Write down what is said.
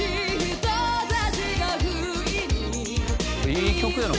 いい曲やな